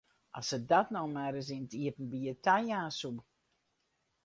As se dat no mar ris yn it iepenbier tajaan soe!